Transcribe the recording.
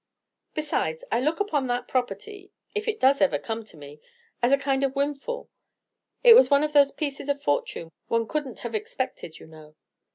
"Besides, I look upon that property if it does ever come to me as a kind of windfall; it was one of those pieces of fortune one could n't have expected, you know."